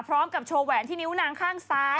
พร้อมกับโชว์แหวนที่นิ้วนางข้างซ้าย